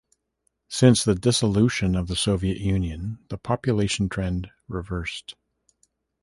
Since the dissolution of the Soviet Union, the population trend reversed.